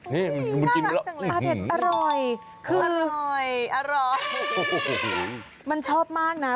นี่น่ารักจังเลยอร่อยอร่อยอร่อยมันชอบมากน่ะ